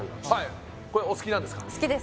これお好きなんですか？